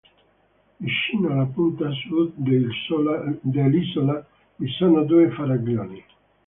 Vicino alla punta sud dell'isola vi sono due faraglioni.